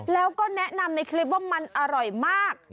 แล้วก็แนะนำในคลิปว่ามันอร่อยมาก